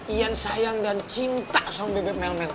iyan sayang dan cinta sama bebek melmel